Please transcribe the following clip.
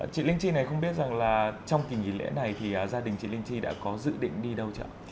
chị linh tri này không biết rằng là trong kỳ nghỉ lễ này thì gia đình chị linh tri đã có dự định đi đâu chẳng